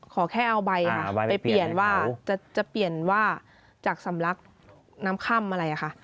ขอแค่เอาใบค่ะไปเปลี่ยนว่าจะเปลี่ยนว่าจากสำลักน้ำค่ำอะไรค่ะ